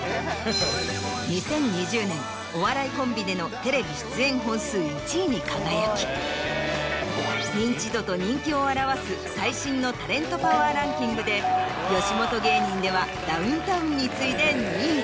２０２０年お笑いコンビでのテレビ出演本数１位に輝き認知度と人気を表す最新のタレントパワーランキングで吉本芸人ではダウンタウンに次いで２位。